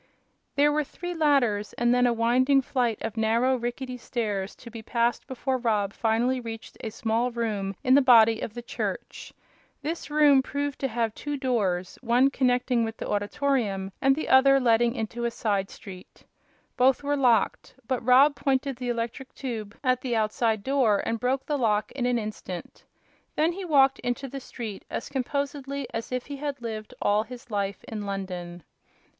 There were three ladders, and then a winding flight of narrow, rickety stairs to be passed before Rob finally reached a small room in the body of the church. This room proved to have two doors, one connecting with the auditorium and the other letting into a side street. Both were locked, but Rob pointed the electric tube at the outside door and broke the lock in an instant. Then he walked into the street as composedly as if he had lived all his life in London.